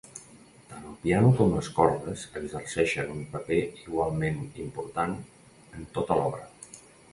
Tant el piano com les cordes exerceixen un paper igualment important en tota l'obra.